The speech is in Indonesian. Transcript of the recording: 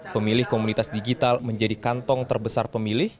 pemilih komunitas digital menjadi kantong terbesar pemilih